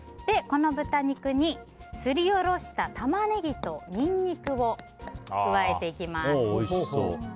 この豚肉にすりおろしたタマネギとニンニクを加えていきます。